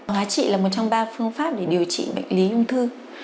hóa trị là một trong ba phương pháp để điều trị bệnh lý ung thư